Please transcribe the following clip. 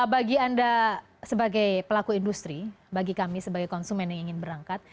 bagi anda sebagai pelaku industri bagi kami sebagai konsumen yang ingin berangkat